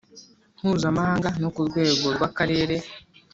Mpuzamahanga no ku rwego rw akarere